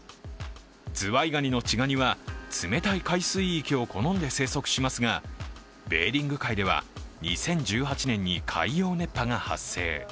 ズワイガニの稚ガニは冷たい海水域を好んで生息しますがベーリング海では、２０１８年に海洋熱波が発生。